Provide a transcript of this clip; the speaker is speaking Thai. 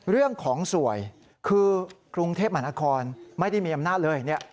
เรื่องของสวยคือกรุงเทพมนาคอนไม่ได้มีอำนาจเลย